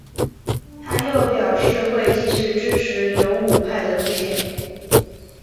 他又表示会继续支持勇武派的路线。